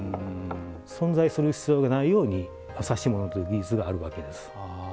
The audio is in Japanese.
存在する必要がないように指物という技術があるわけです。